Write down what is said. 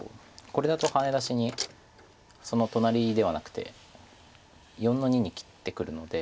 これだとハネ出しにその隣ではなくて４の二に切ってくるので。